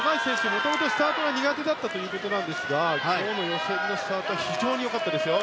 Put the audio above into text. もともとスタートは苦手だったというんですが今日の予選のスタートは非常に良かったですよ。